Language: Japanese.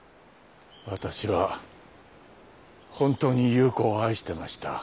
わたしは本当に夕子を愛してました。